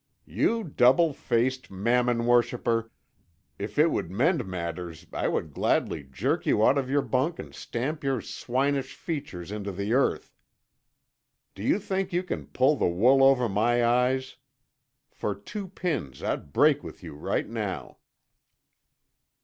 "You double faced Mammon worshipper, if it would mend matters I would gladly jerk you out of your bunk and stamp your swinish features into the earth. Do you think you can pull the wool over my eyes? For two pins I'd break with you right now."